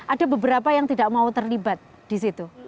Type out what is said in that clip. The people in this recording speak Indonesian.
ada beberapa yang tidak mau terlibat di situ